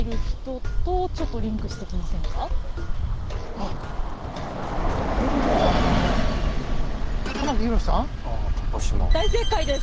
あっそれこそじゃああの大正解です。